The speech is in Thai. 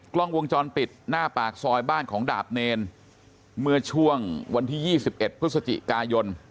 กล้องวงจรปิดหน้าปากซอยบ้านของดาบเนรเมื่อช่วงวันที่๒๑พฤศจิกายน